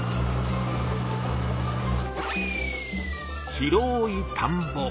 広い田んぼ。